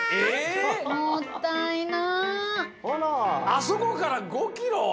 あそこから５キロ！？